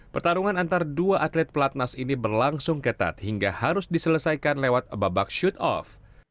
pertarungan antara dua atlet pelatnas ini berlangsung ketat hingga harus diselesaikan lewat babak shoot off